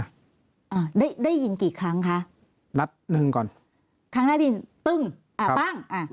อ่าได้ได้ยินกี่ครั้งคะนัดหนึ่งก่อนครั้งหน้าได้ยินตึ้งอ่าปั้งอ่า